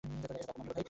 এটা তো অপমান হলো।